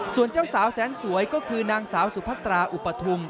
ส่วนเจ้าสาวแสนสวยก็คือนางสาวสุพัตราอุปทุม